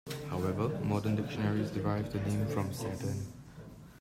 However, modern dictionaries derive the name from "Saturn".